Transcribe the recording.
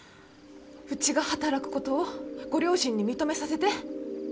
うちが働くことをご両親に認めさせて。